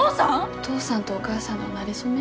お父さんとお母さんのなれ初め？